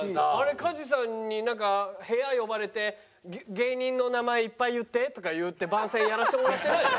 加地さんになんか部屋呼ばれて「芸人の名前いっぱい言って」とか言って番宣やらせてもらってないの？